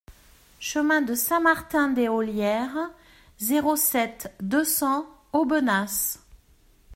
Chemin de Saint-Martin des Ollières, zéro sept, deux cents Aubenas